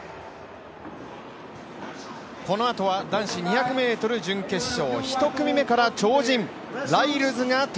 このあとは男子２００ｍ準決勝。